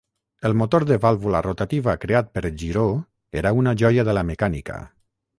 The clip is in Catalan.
El motor de vàlvula rotativa creat per Giró era una joia de la mecànica.